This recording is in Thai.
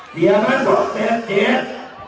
เย็นกันสองพรรษเต็มเจศ